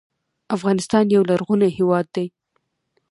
افغانستان یو لرغونی هیواد دی